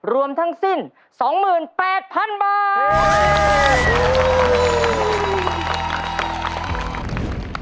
รวมทั้งสิ้นสองหมื่นแปดพันบาท